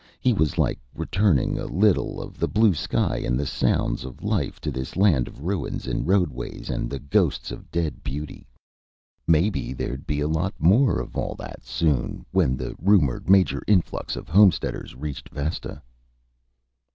It was like returning a little of the blue sky and the sounds of life to this land of ruins and roadways and the ghosts of dead beauty. Maybe there'd be a lot more of all that, soon, when the rumored major influx of homesteaders reached Vesta.